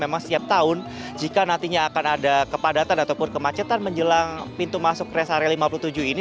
memang setiap tahun jika nantinya akan ada kepadatan ataupun kemacetan menjelang pintu masuk rest area lima puluh tujuh ini